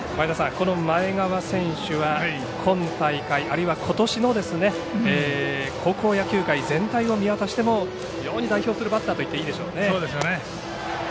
この前川選手は今大会あるいはことしの高校野球界全体を見渡しても非常に、代表するバッターとそうですね。